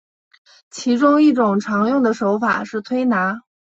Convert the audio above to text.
其中一种常用的手法是推拿。